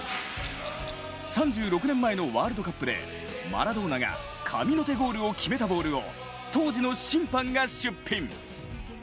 ３６年前のワールドカップでマラドーナが神の手ゴールを決めたボールを当時の審判が出品。